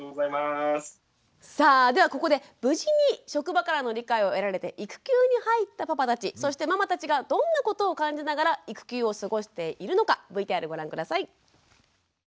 さあではここで無事に職場からの理解を得られて育休に入ったパパたちそしてママたちがどんなことを感じながら育休を過ごしているのかＶＴＲをご覧下さい。